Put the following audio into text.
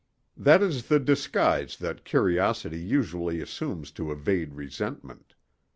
That is the disguise that curiosity usually assumes to evade resentment.